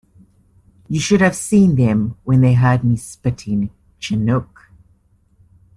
You should have seen them when they heard me spitting Chinook.